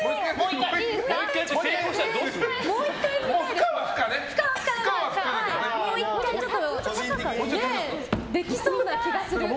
もう１回、見たいです。